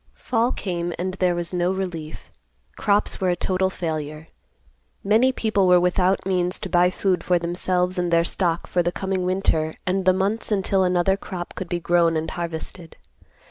Fall came and there was no relief. Crops were a total failure. Many people were without means to buy food for themselves and their stock for the coming winter and the months until another crop could be grown and harvested.